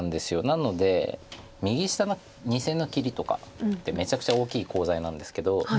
なので右下の２線の切りとかってめちゃくちゃ大きいコウ材なんですけど。